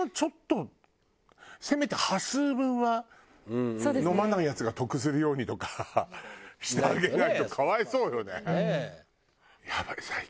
せめて端数分は飲まないヤツが得するようにとかしてあげないと可哀想よね。